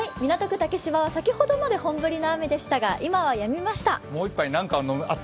竹芝は先ほどまで本降りの雨でしたが今はやみました。